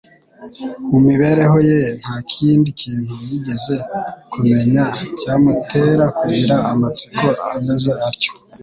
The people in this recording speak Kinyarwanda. Mu mibereho ye nta kindi kintu yigeze kumenya cyamutera kugira amatsiko ameze atyo.